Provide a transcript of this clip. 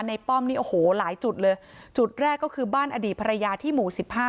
ป้อมนี่โอ้โหหลายจุดเลยจุดแรกก็คือบ้านอดีตภรรยาที่หมู่สิบห้า